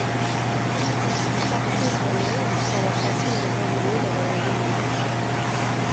Le parc ouvre le après adaptation des animaux dans leur nouveau milieu.